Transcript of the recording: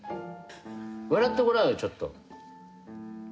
笑ってごらんよちょっと。